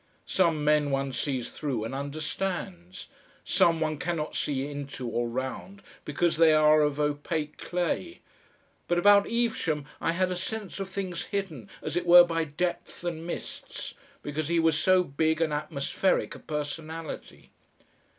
Some men one sees through and understands, some one cannot see into or round because they are of opaque clay, but about Evesham I had a sense of things hidden as it were by depth and mists, because he was so big and atmospheric a personality.